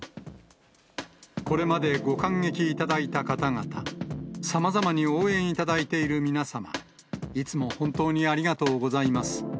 これまでご観劇いただいた方々、さまざまに応援いただいている皆様、いつも本当にありがとうございます。